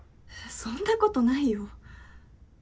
そんなことないよ。